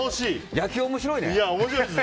野球、面白いね。